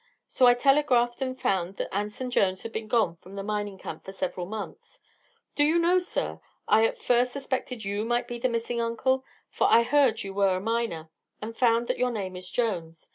So I telegraphed and found that Anson Jones had been gone from the mining camp for several months. Do you know, sir, I at first suspected you might be the missing uncle? For I heard you were a miner and found that your name is Jones.